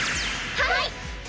はい！